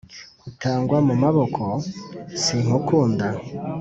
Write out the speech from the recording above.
utangwa mu maboko, sinkukunda